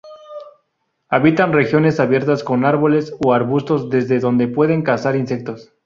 Habitan regiones abiertas con árboles o arbustos, desde donde puede cazar insectos.